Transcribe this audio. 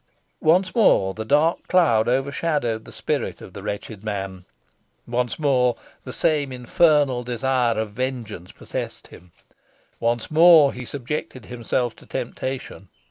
Once more the dark cloud overshadowed the spirit of the wretched man once more the same infernal desire of vengeance possessed him once more he subjected himself to temptation.